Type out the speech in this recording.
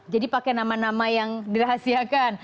jadi pakai nama nama yang dirahasiakan